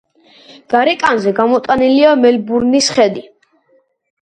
გარეკანზე გამოტანილია მელბურნის ხედი.